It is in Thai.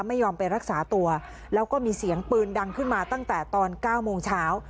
ไม่ยอมไปรักษาตัวแล้วก็มีเสียงปืนดังขึ้นมาตั้งแต่ตอน๙โมงเช้า